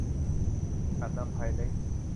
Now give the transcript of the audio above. อาจนำภัยเล็ก